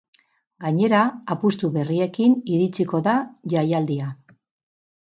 Gainera, apustu berriekin iritsiko da jaialdia.